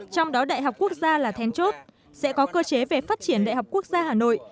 trong đó đại học quốc gia là then chốt sẽ có cơ chế về phát triển đại học quốc gia hà nội